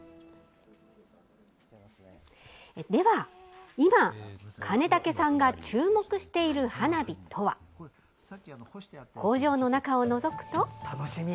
では今、金武さんが注目している花火とは。工場の中をのぞくと。